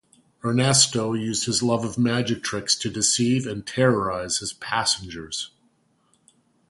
Ernesto used his love of magic tricks to deceive and terrorize his passengers.